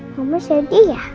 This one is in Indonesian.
mama sedih ya